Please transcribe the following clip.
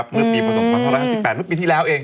เมื่อปีประสงค์ปันธุรกา๕๘เมื่อปีที่แล้วเอง